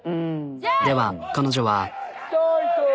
では彼女は。